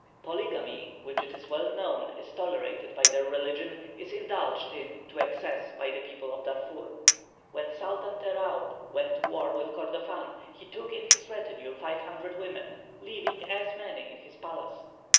"Polygamy, which it is well known is tolerated by their religion, is indulged in to excess by the people of Darfur. When Sultan Teraub went to war with Korodofan, he took in his retinue five hundred women, leaving as many in his palace.